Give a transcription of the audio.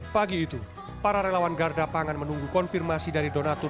pagi itu para relawan garda pangan menunggu konfirmasi dari donatur